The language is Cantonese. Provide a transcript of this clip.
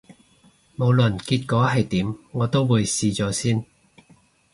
無論結果係點，我都會試咗先